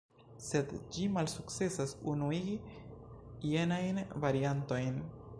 Sed ĝi malsukcesas unuigi jenajn variantojn.